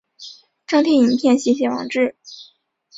张贴影片写写网志